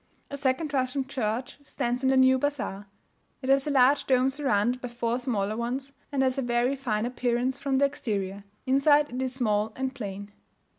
A second Russian church stands in the new bazaar; it has a large dome surrounded by four smaller ones, and has a very fine appearance from the exterior; inside it is small and plain.